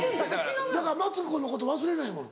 だからマツコのこと忘れないもん。